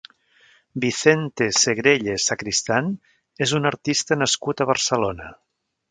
Vicente Segrelles Sacristán és un artista nascut a Barcelona.